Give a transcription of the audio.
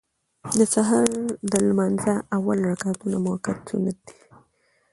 د سهار د لمانځه اول رکعتونه مؤکد سنت دي.